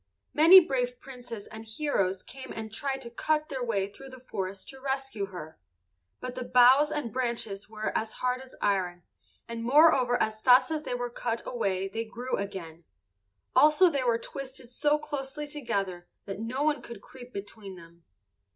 Many brave princes and heroes came and tried to cut their way through the forest to rescue her, but the boughs and branches were as hard as iron, and moreover as fast as they were cut away they grew again; also they were twisted so closely together that no one could creep between them.